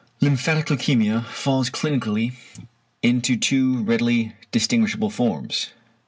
~Lymphatic leukæmia~ falls clinically into two readily distinguishable forms.